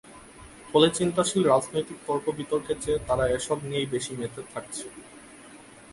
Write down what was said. ফলে চিন্তাশীল রাজনৈতিক তর্কবিতর্কের চেয়ে তারা এসব নিয়েই বেশি মেতে থাকছে।